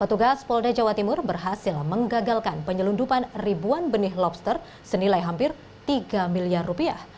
petugas polda jawa timur berhasil menggagalkan penyelundupan ribuan benih lobster senilai hampir tiga miliar rupiah